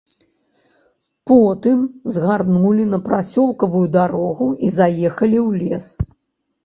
Потым згарнулі на прасёлкавую дарогу і заехалі ў лес.